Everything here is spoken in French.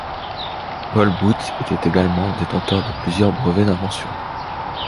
Paul Bouts était également détenteur de plusieurs brevets d'invention.